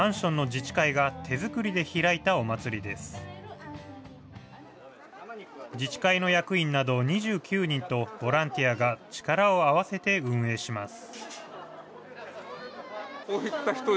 自治会の役員など２９人とボランティアが力を合わせて運営します。